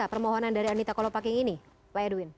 permohonan dari anita kolopaking ini pak edwin